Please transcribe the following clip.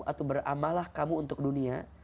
atau beramalah kamu untuk dunia